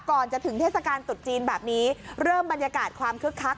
ก่อนจะถึงเทศกาลตุดจีนแบบนี้เริ่มบรรยากาศความคึกคัก